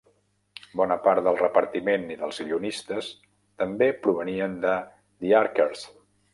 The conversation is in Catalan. Bona part del repartiment i dels guionistes també provenien de "The Archers".